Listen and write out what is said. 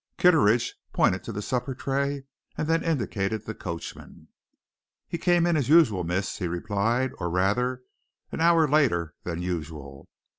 Kitteridge pointed to the supper tray and then indicated the coachman. "He came in as usual, miss," he replied. "Or rather an hour later than usual.